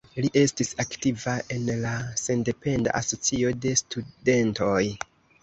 Li estis aktiva en la Sendependa Asocio de Studentoj.